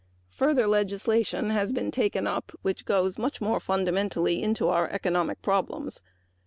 Further legislation has been taken up which goes much more fundamentally into our economic problems.